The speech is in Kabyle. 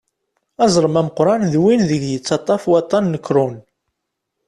Aẓrem ameqṛan d win deg yettaṭṭaf waṭan n Krhon.